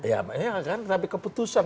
ya memang kan tapi keputusan